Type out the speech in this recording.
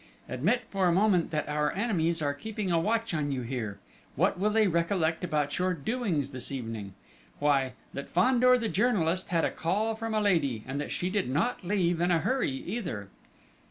Admit for a moment that our enemies are keeping a watch on you here: what will they recollect about your doings this evening? Why, that Fandor, the journalist, had a call from a lady, and that she did not leave in a hurry either!"